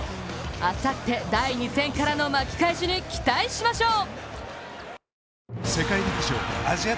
あさって第２戦からの巻き返しに期待しましょう。